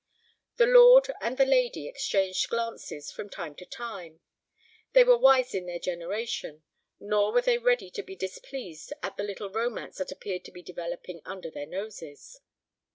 The lord and the lady exchanged glances from time to time. They were wise in their generation, nor were they ready to be displeased at the little romance that appeared to be developing under their noses.